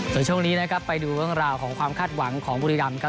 ส่วนช่วงนี้นะครับไปดูเรื่องราวของความคาดหวังของบุรีรำครับ